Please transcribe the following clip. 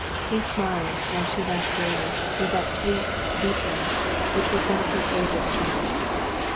He smiled, while she laughed gaily, with that sweet, deep laugh, which was one of her greatest charms.